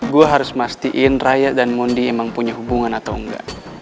gue harus memastikan raya dan mundi emang punya hubungan atau enggak